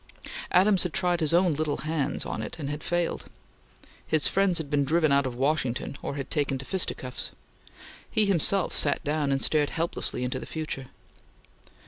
Adams had tried his own little hands on it, and had failed. His friends had been driven out of Washington or had taken to fisticuffs. He himself sat down and stared helplessly into the future.